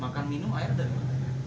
makan minum air dari mana